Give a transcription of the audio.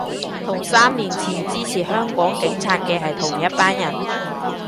同三年前支持香港警察嘅係同一班人